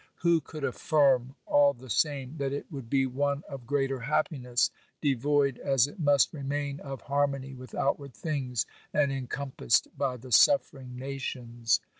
Who could affirm, all the same, that it would be one of greater happiness, devoid as it must remain of harmony with outward things, and encompassed by the suffering nations